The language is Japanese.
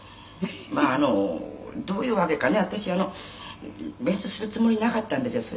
まあどういうわけかね私レッスンするつもりなかったんですよ」